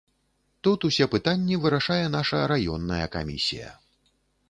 Тут усе пытанні вырашае наша раённая камісія.